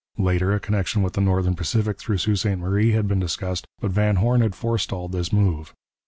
Later, a connection with the Northern Pacific through Sault Ste Marie had been discussed, but Van Horne had forestalled this move.